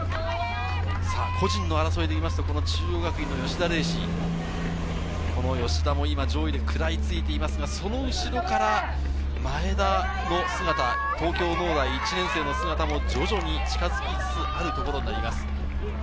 個人の争いで言いますと、中央学院の吉田礼志、この吉田も上位で食らいついていますが、その後ろから前田の姿、東京農大１年生の姿も徐々に近づきつつあるところになります。